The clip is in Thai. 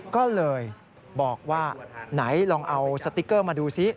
ก็เลยบอกว่าไหนลองเอาสติ๊กเกอร์มาดูซิ